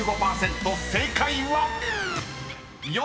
［正解は⁉］